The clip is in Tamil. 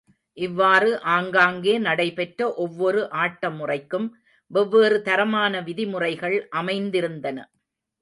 இவ்வாறு ஆங்காங்கே நடைபெற்ற ஒவ்வொரு ஆட்ட முறைக்கும் வெவ்வேறு தரமான விதிமுறைகள் அமைந்திருந்தன.